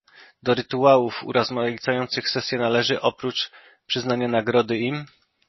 Do rytuałów urozmaicających sesję należy, oprócz przyznania Nagrody im